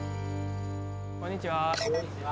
こんにちは。